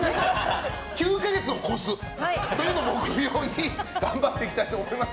９か月を超すというのを目標に頑張っていただきたいと思います。